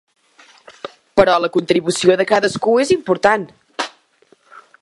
Però la contribució de cadascú és important.